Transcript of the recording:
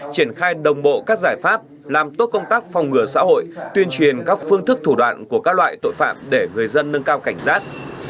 triển khai đồng bộ các giải pháp làm tốt công tác phòng ngừa xã hội tuyên truyền các phương thức thủ đoạn của các loại tội phạm để người dân nâng cao cảnh giác